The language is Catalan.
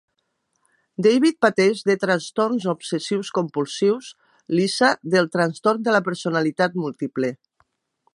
David pateix de trastorns obsessius-compulsius, Lisa del trastorn de la personalitat múltiple.